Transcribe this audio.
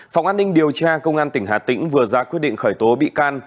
phòng an ninh điều tra công an tỉnh hà tĩnh vừa ra quyết định khởi tố bị can